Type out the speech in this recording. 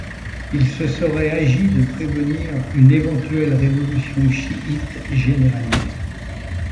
Il se serait agi de prévenir une éventuelle révolution chiite généralisée.